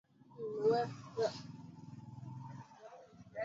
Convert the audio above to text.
bara hili la Afrika ni mfalme wa kujipachika wa Afrika